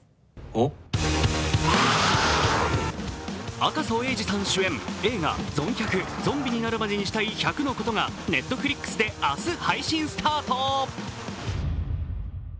赤楚衛二さん主演、映画「ゾン１００ゾンビになるまでにしたい１００のこと」がＮｅｔｆｌｉｘで明日、配信スタート。